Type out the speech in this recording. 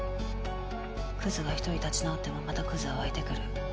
クズが１人立ち直ってもまたクズは湧いてくる。